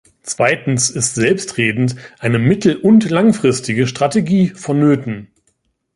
Zweitens ist selbstredend eine mittel- und langfristige Strategie vonnöten.